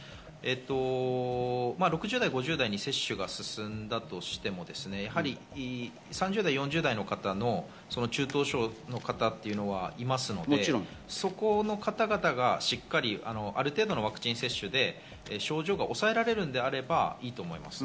５０６０代に接種が進んだとしても、３０４０代の方の中等症の方はいますので、そこの方々がある程度のワクチン接種で症状が抑えられているのであればいいと思います。